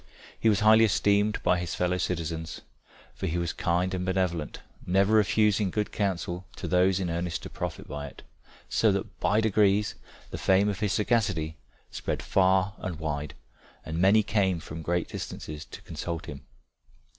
He was highly esteemed by his fellow citizens, for he was kind and benevolent, never refusing good counsel to those in earnest to profit by it, so that by degrees the fame of his sagacity spread far and wide, and many came from great distances to consult him.